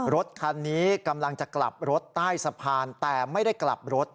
รถคันนี้กำลังจะกลับรถใต้สะพานแต่ไม่ได้กลับรถ